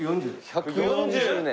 １４０年？